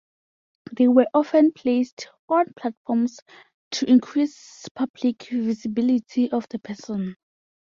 They were often placed on platforms to increase public visibility of the person.